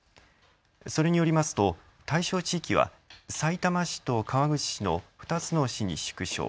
それによりますと対象地域はさいたま市と川口市の２つの市に縮小。